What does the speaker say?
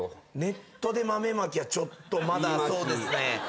ネットで豆まきはちょっとまだそうですね。